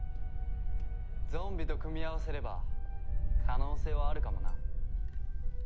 ゾンビと組み合わせれば可能性はあるかもな。